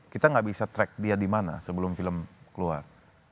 kita gak bisa track dia dimana sebelum film keluar